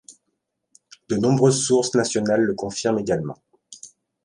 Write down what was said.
De nombreuses sources nationales le confirment également.